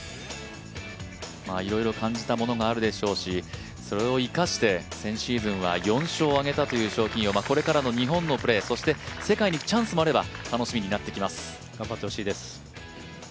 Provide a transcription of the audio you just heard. いろいろ感じたものがあるでしょうし、それを生かして先シーズンは４勝を挙げたという賞金王これからの日本のプレー、そして世界にチャンスがあれば楽しみになってきます。